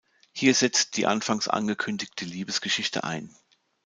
Hier setzt die anfangs angekündigte Liebesgeschichte ein.